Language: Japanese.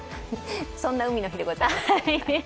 そんな海の日でございます。